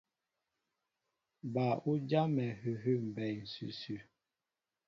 Ba' ú jámɛ hʉhʉ́ mbɛɛ ǹsʉsʉ.